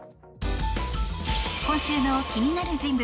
今週の気になる人物